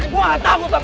gua gak tau